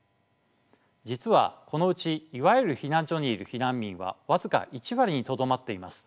実はこのうちいわゆる避難所にいる避難民は僅か１割にとどまっています。